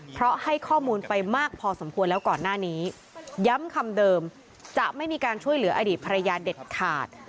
เพราะให้ข้อมูลไปมากพอสมควรแล้วก่อนหน้านี้ย้ำคำเดิมจะไม่มีการช่วยเหลืออดีตภรรยาเด็ดขาด